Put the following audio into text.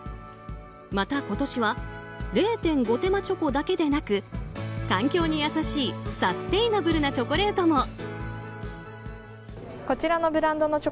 また、今年は０．５手間チョコだけでなく環境に優しいサステイナブルなチョコレートも。